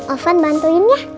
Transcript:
ovan bantuin ya